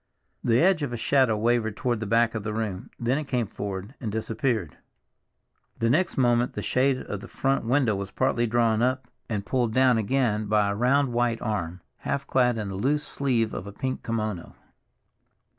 The edge of a shadow wavered toward the back of the room; then it came forward and disappeared. The next moment the shade of the front window was partly drawn up and pulled down again by a round white arm, half clad in the loose sleeve of a pink kimono.